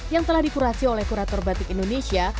yang telah dikurasi oleh kurator batik indonesia